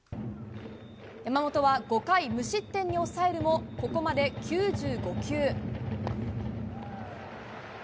山本は５回無失点に抑えるもここまで９５球。